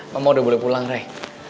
mama udah boleh pulang rey